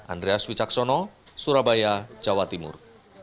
andreas wicaksono surabaya jawa timur